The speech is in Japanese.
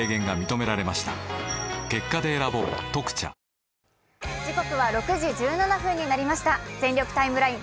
「特茶」「全力タイムライン」